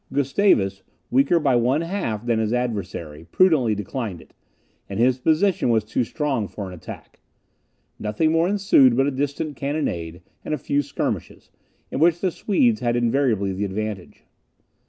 Gustavus, weaker by one half than his adversary, prudently declined it; and his position was too strong for an attack. Nothing more ensued but a distant cannonade, and a few skirmishes, in which the Swedes had invariably the advantage.